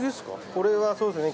これはそうですね